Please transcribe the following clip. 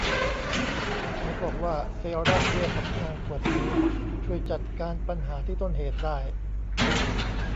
ขอบอกว่าเซรั่มเวชสำอางขวดนี้ช่วยจัดการปัญหาที่ต้นเหตุได้